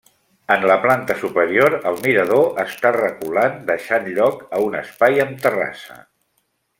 En la planta superior el mirador està reculat deixant lloc a un espai amb terrassa.